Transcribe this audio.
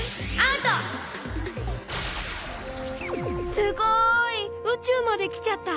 すごいうちゅうまで来ちゃった。